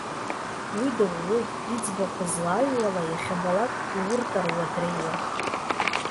Уи дыӷәӷәоуп, иӡбахә злааҩуала, иахьабалак иуртаруа дреиуам.